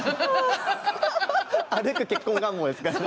歩く結婚願望ですから。